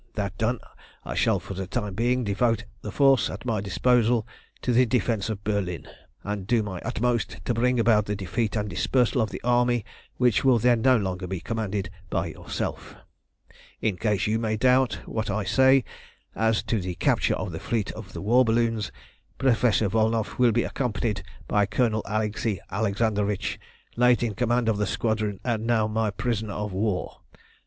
That done I shall, for the time being, devote the force at my disposal to the defence of Berlin, and do my utmost to bring about the defeat and dispersal of the army which will then no longer be commanded by yourself. In case you may doubt what I say as to the capture of the fleet of war balloons, Professor Volnow will be accompanied by Colonel Alexei Alexandrovitch, late in command of the squadron, and now my prisoner of war.